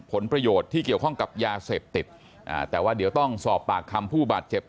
ผลประโยชน์ที่เกี่ยวข้องกับยาเสพติดอ่าแต่ว่าเดี๋ยวต้องสอบปากคำผู้บาดเจ็บ